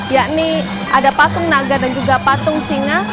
yakni ada patung naga dan juga patung singa